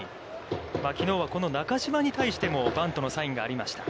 きのうは中島に対してもバントのサインがありました。